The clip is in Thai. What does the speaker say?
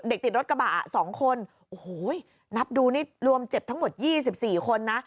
ติดรถกระบะ๒คนโอ้โหนับดูนี่รวมเจ็บทั้งหมด๒๔คนนะ